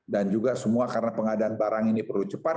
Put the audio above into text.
dan juga semua karena pengadaan barang ini perlu cepat